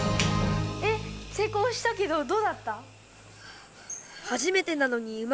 えっせいこうしたけどどうだった？